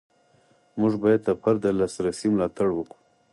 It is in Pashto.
موږ باید د فرد د لاسرسي ملاتړ وکړو.